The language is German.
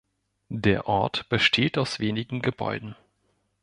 Der Ort besteht aus wenigen Gebäuden.